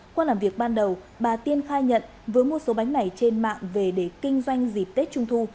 qua làm việc ban đầu bà tiên khai nhận với mua số bánh này trên mạng về để kinh doanh dịp tết trung thu